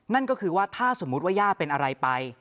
นั่นก็คือว่าถ้าสมมุติว่าย่าเป็นอะไรไป